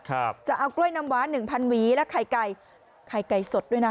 ครับจะเอากล้วยน้ำว้าหนึ่งพันหวีและไข่ไก่ไข่ไก่สดด้วยนะ